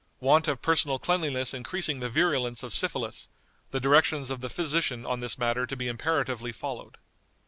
Want of personal cleanliness increasing the virulence of syphilis, the directions of the physician on this matter to be imperatively followed."